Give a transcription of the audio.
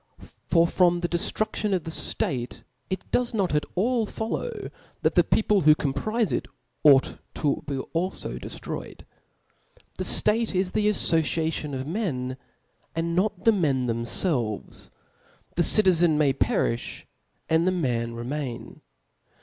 For from the deftrudKon of the ftate it does not at all follow, that the people who compofe it ought to be alfo deftroy ed. The ftate is the affociation of men, and not the men thcmfelves ; the citizen may perifh, and the man remain.